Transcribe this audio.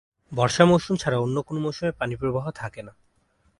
বর্ষা মৌসুম ছাড়া অন্য কোন মৌসুমে পানি প্রবাহ থাকে না।